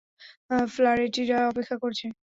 ফ্ল্যারেটিরা অপেক্ষা করছে।